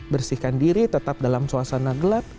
bersihkan diri tetap dalam suasana gelap